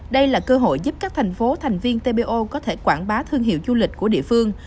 đây là cơ hội giúp các thành phố thành viên tpo có thể quảng bá thương hiệu du lịch của địa phương